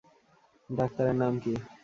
ডাক্তারের নাম কি?